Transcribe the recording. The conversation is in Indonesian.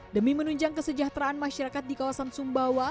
demi menunjang kesejahteraan masyarakat di kawasan sumbawa